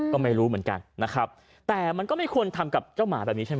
ก็ไม่รู้เหมือนกันนะครับแต่มันก็ไม่ควรทำกับเจ้าหมาแบบนี้ใช่ไหม